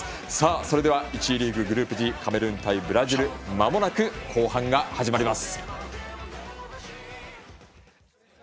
それでは１次リーグ、グループＧカメルーン対ブラジルまもなく後半が始まります。